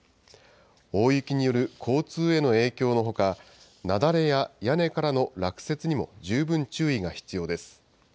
大雪による交通への影響のほか、雪崩や屋根からの落雪にも十分注意が必要です。